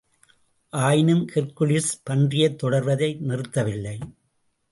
ஆயினும், ஹெர்க்குலிஸ் பன்றியைத் தொடர்வதை நிறுத்தவில்லை.